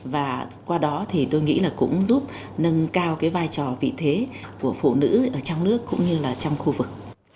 và qua đó tôi nghĩ cũng giúp nâng cao vai trò vị thế của phụ nữ trong nước cũng như trong khu vực